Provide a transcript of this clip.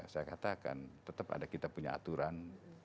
saya katakan tetap ada kita punya aturan